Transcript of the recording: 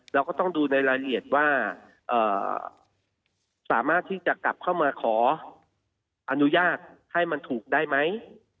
เราก็ต้องดูในรายละเอียดว่าสามารถที่จะกลับเข้ามาขออนุญาตให้มันถูกได้ไหม